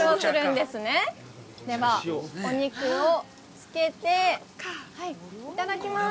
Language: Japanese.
ではお肉をつけていただきます。